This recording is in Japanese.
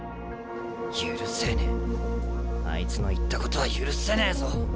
許せねえあいつの言ったことは許せねえぞ！